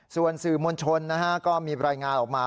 ส่วนสื่อมวลชนก็มีรายงานออกมา